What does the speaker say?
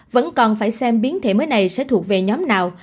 vẫn còn phải xem biến thể mới này sẽ thuộc về nhóm nào